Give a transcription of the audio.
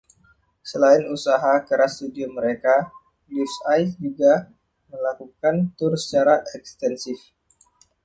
Selain usaha keras studio mereka, Leaves' Eyes juga melakukan tur secara ekstensif.